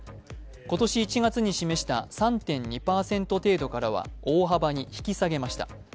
今年１月に示した３．２％程度からは大幅に引き下げました。